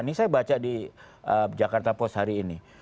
ini saya baca di jakarta post hari ini